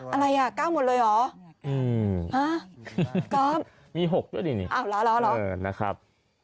อะไรอ่ะก้าวหมดเลยหรอห้าก้าวมี๖ด้วยดินี่อ้าวเหรอนะครับ